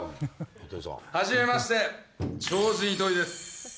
初めまして、超人・糸井です。